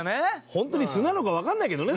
ホントに素なのかわかんないけどね